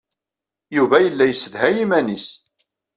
Yuba yella yessedhay iman-nnes.